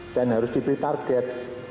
dan harus di target